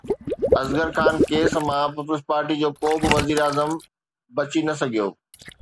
Asghar Khan case مان پيپلز پارٽي جو ڪو به وزيراعظم بچي نه سگهيو.